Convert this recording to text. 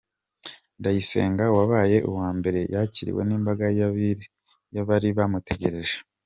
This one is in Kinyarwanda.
Ndayisenga wabaye uwa mbere yakiriwe n’imbaga y’abari bamutegereje.